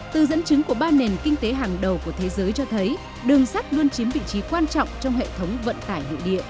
từ dẫn chứng của ba nền kinh tế hàng đầu của thế giới cho thấy đường sắt luôn chiếm vị trí quan trọng trong hệ thống vận tải nội địa